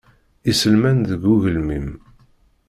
Iselman deg ugelmim.